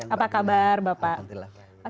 apa kabar bapak